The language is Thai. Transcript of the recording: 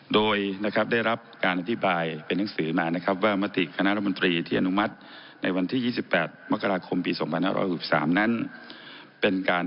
โดยได้รับการอธิบายเป็นหนังสือมา